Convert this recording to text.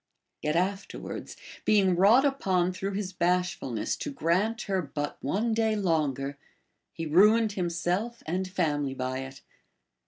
* Yet afterwards, being wrought upon through his bashful ness to grant her but one day longer, he ruined himself and family by it.